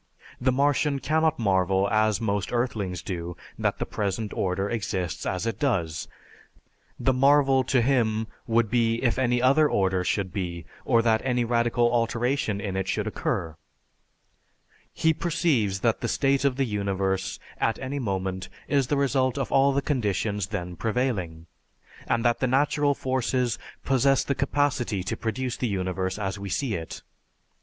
The Martian cannot marvel as most earthlings do that the present order exists as it does; the marvel to him would be if any other order should be or that any radical alteration in it should occur. He perceives that the state of the universe at any moment is the result of all the conditions then prevailing, and that the natural forces possess the capacity to produce the universe as we see it.